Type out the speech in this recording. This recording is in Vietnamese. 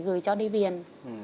gửi cho đi viện